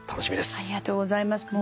ありがとうございます。